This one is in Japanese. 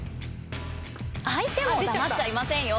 相手も黙っちゃいませんよ。